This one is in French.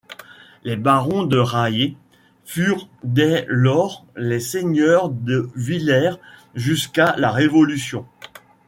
Les barons de Rahier furent dès lors les seigneurs de Villers jusqu'à la Révolution.